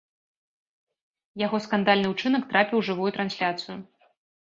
Яго скандальны ўчынак трапіў у жывую трансляцыю.